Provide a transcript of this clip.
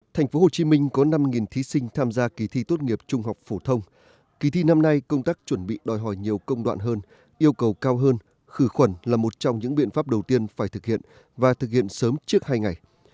tp hcm có năm thí sinh tham gia kỳ thi tốt nghiệp trung học phổ thông kỳ thi năm nay công tác chuẩn bị đòi hỏi nhiều công đoạn hơn yêu cầu cao hơn khử khuẩn là một trong những biện pháp đầu tiên phải thực hiện và thực hiện sớm trước hai ngày